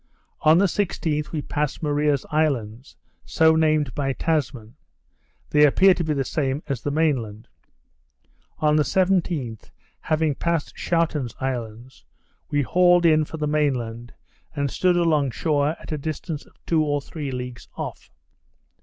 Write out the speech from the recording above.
On the 16th, we passed Maria's Islands, so named by Tassman; they appear to be the same as the main land. On the 17th, having passed Shouten's Islands, we hauled in for the main land, and stood along shore at the distance of two or three leagues off.